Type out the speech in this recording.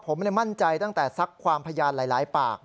ผมมั่นใจตั้งแต่ซักความพยานหลายปาก